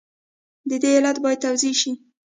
د دې علت باید توضیح شي.